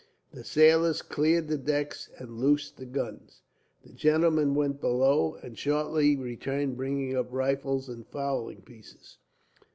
The sailors cleared the decks, and loosed the guns. The gentlemen went below, and shortly returned bringing up rifles and fowling pieces.